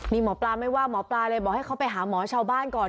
นี่หมอปลาไม่ว่าหมอปลาเลยบอกให้เขาไปหาหมอชาวบ้านก่อน